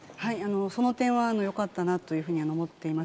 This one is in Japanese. その点はよかったなというふうには思っています。